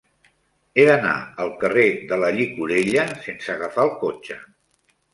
He d'anar al carrer de la Llicorella sense agafar el cotxe.